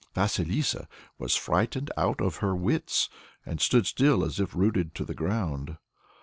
Vasilissa was frightened out of her wits, and stood still as if rooted to the ground.